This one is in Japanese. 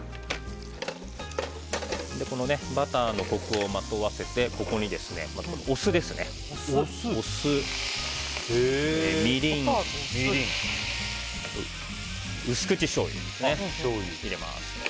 このバターのコクをまとわせてここにお酢、みりん薄口しょうゆを入れます。